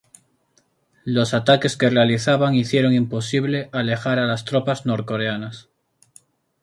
Los ataques que realizaban hicieron imposible alejar a las tropas norcoreanas.